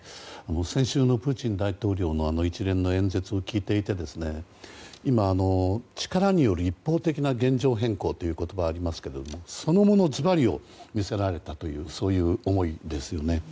先週のプーチン大統領の一連の演説を聞いていて今、力による一方的な現状変更という言葉がありますがそのものずばりを見せられたという思いですよね。